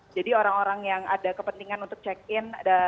jadi orang orang yang ada kepentingan untuk check in